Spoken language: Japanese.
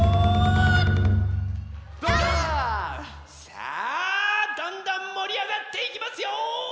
さあどんどんもりあがっていきますよ！